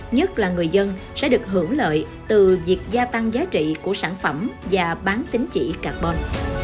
nhất là người dân sẽ được hưởng lợi từ việc gia tăng giá trị của sản phẩm và bán tính chỉ carbon